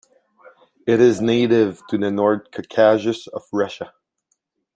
It is native to the North Caucasus of Russia.